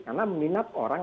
karena meninap orang